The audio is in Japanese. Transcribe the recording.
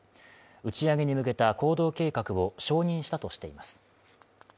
打ち上げに向けた行動計画を承認したとしています。